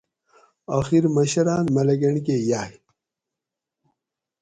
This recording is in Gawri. آخر مشراۤن ملاکنڈ کہ یاۤگ